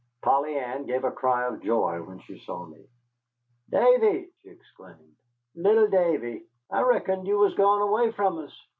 Polly Ann gave a cry of joy when she saw me. "Davy," she exclaimed, "little Davy, I reckoned you was gone away from us.